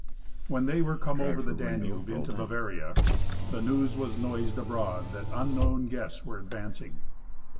When they were come over the Danube into Bavaria, the news was noised abroad that unknown guests were advancing.